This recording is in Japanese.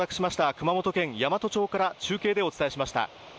熊本県山都町から中継でお伝えしました。